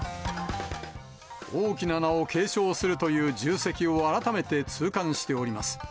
大きな名を継承するという重責を、改めて痛感しております。